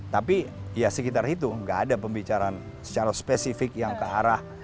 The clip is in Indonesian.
tapi ya sekitar itu nggak ada pembicaraan secara spesifik yang ke arah